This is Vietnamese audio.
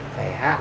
phải hạ đường